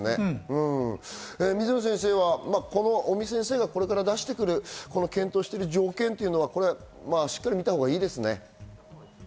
水野先生は尾身先生がこれから出してくる条件というのは、しっかり見たほうがいいですね。